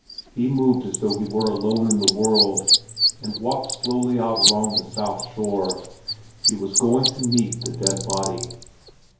He moved as though he were alone in the world, and walked slowly out along the south shore. He was going to meet the dead body.